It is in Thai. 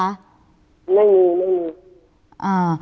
ไม่มีไม่มี